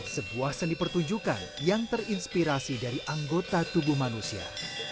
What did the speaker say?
sebuah seni pertunjukan yang terinspirasi dari anggota tubuh manusia